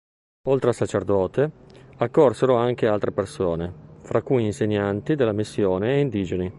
Oltre al sacerdote, accorsero anche altre persone, fra cui insegnanti della missione e indigeni.